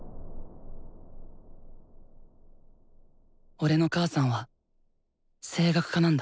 俺の母さんは声楽家なんだ。